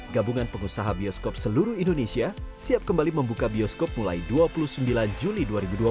gabungan pengusaha bioskop seluruh indonesia siap kembali membuka bioskop mulai dua puluh sembilan juli dua ribu dua puluh